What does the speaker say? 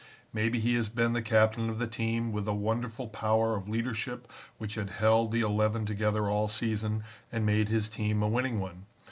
Maybe he has been the captain of the team, with a wonderful power of leadership which had held the Eleven together all season and made his team a winning one.